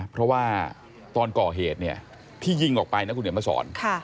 เพราะว่าตอนก่อเหตุเนี่ยที่ยิงออกไปนะคุณเดี๋ยวมาสอน